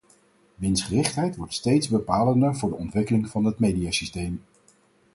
Winstgerichtheid wordt steeds bepalender voor de ontwikkeling van het mediasysteem.